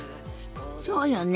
そうよね。